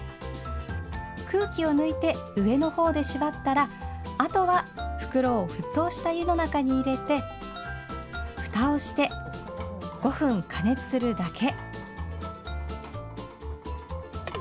空気を抜いて上の方で縛ったらあとは袋を沸騰した湯の中に入れてふたをして５分加熱するだけ。